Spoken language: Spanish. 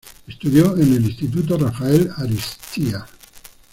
Estudio en el Instituto Rafael Ariztía.